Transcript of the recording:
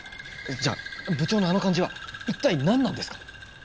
じゃあ部長のあの感じは一体何なんですか？